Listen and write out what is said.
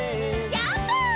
ジャンプ！